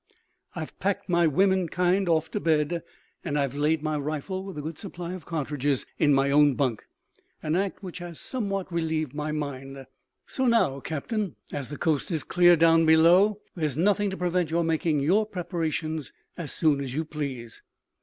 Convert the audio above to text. I have packed my womankind off to bed, and have laid my rifle, with a good supply of cartridges, in my own bunk an act which has somewhat relieved my mind. So now, captain, as the coast is clear down below, there is nothing to prevent your making your preparations as soon as you please."